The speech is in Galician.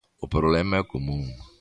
O problema é común.